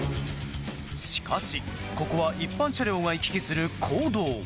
しかし、ここは一般車両が行き来する公道。